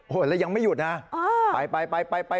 โหยังไม่หยุดอ่ะ